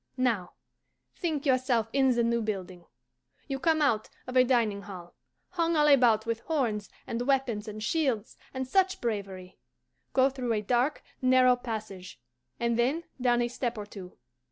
Now, think yourself in the new building. You come out of a dining hall, hung all about with horns and weapons and shields and such bravery, go through a dark, narrow passage, and then down a step or two.